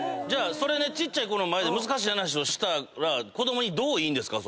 ちっちゃい子の前で難しい話をしたら子供にどういいんですか？